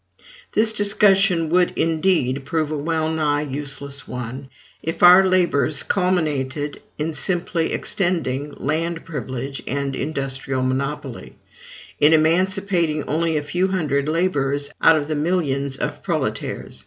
This discussion would, indeed, prove a well nigh useless one, if our labors culminated in simply extending land privilege and industrial monopoly; in emancipating only a few hundred laborers out of the millions of proletaires.